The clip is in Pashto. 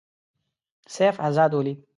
سیف آزاد ولید.